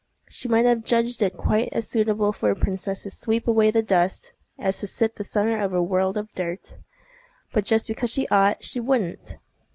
She might have judged it quite as suitable for a princess to sweep away the dust as to sit the centre of a world of dirt. But just because she ought, she wouldn't.